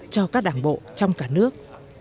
cho các đảng bộ trong cả nước